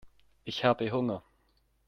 Ich habe Hunger.